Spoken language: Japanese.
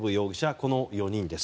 この４人です。